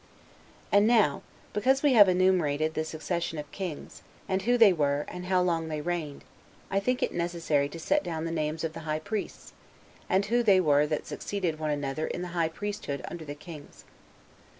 6. And now, because we have enumerated the succession of the kings, and who they were, and how long they reigned, I think it necessary to set down the names of the high priests, and who they were that succeeded one another in the high priesthood under the Kings.